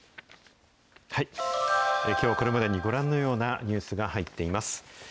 きょう、これまでにご覧のようなニュースが入っています。